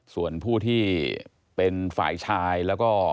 ส่วนผู้ที่เป็นฝ่ายชายแล้วก็